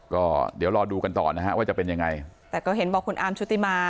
ก็เดี๋ยวรอดูกันต่อนะฮะว่าจะเป็นยังไงแต่ก็เห็นบอกคุณอาร์มชุติมา